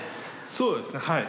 そうですねはい。